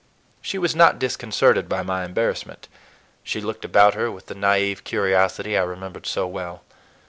She was not disconcerted by my embarrassment. She looked about her with the naïve curiosity I remembered so well.